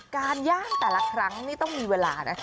การย่างแต่ละครั้งนี่ต้องมีเวลานะ